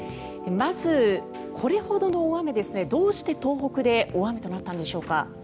まず、これほどの大雨どうして東北で大雨となったんでしょうか。